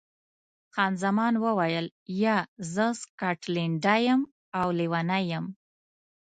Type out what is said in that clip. خان زمان وویل، یا، زه سکاټلنډۍ یم او لیونۍ یم.